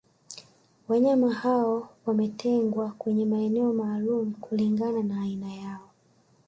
Wanyama hao wametengwa kwenye maeneo maalumu kulingana na aina zao